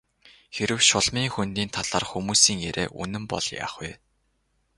Хэрэв Шулмын хөндийн талаарх хүмүүсийн яриа үнэн бол яах вэ?